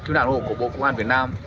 cứu nạn hộ của bộ công an việt nam